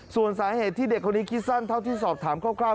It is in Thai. ส่วนสาเหตุที่เด็กคนนี้คิดสั้นเท่าที่สอบถามคร่าว